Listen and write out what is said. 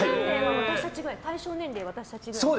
対象年齢は私たちくらい？